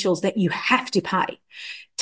yang harus anda bayar